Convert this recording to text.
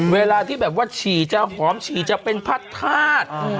เวลาที่แบบว่าฉี่จะหอมฉี่จะเป็นพัดธาตุ